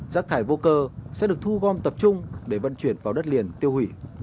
rác thải vô cơ sẽ được thu gom tập trung để vận chuyển vào đất liền tiêu hủy